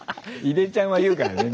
いでちゃんは言うからね。